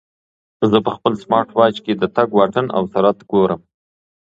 زه په خپل سمارټ واچ کې د تګ واټن او سرعت ګورم.